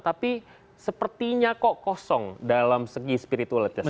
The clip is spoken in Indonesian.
tapi sepertinya kok kosong dalam segi spiritualitas